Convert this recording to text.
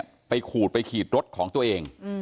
ผู้ตายเนี่ยไปขูดไปขีดรถของตัวเอง